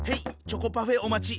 チョコパフェお待ち！